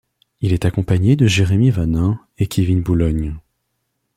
Il est accompagné de Jérémy Wanin et Kevin Boulogne.